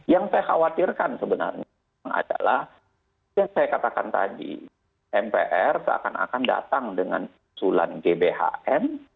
yang saya khawatirkan sebenarnya adalah yang saya katakan tadi mpr seakan akan datang dengan usulan gbhn